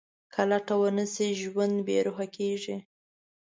که لټه ونه شي، ژوند بېروح کېږي.